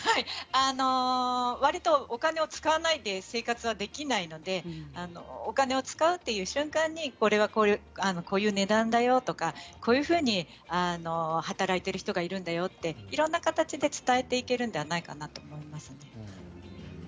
わりとお金を使わないという生活はできないのでお金を使うという瞬間にこういう値段だよとかこういうふうに働いている人がいるんだよといろんな形で伝えていけるんではないかなと思います。